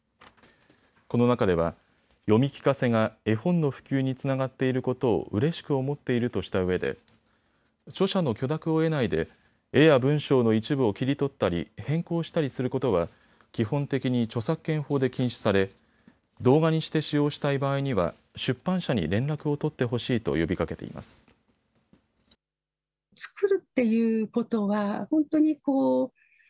この中では読み聞かせが絵本の普及につながっていることをうれしく思っているとしたうえで著者の許諾を得ないで絵や文章の一部を切り取ったり変更したりすることは基本的に著作権法で禁止され動画にして使用したい場合には出版社に連絡を取ってほしいと呼びかけています。